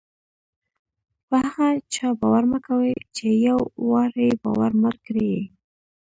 په هغه چا باور مه کوئ! چي یو وار ئې باور مات کړى يي.